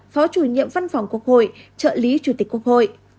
phó chủ nhiệm văn phòng quốc hội trợ lý chủ tịch quốc hội